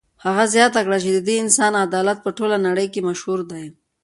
هغه زیاته کړه چې د دې انسان عدالت په ټوله نړۍ کې مشهور دی.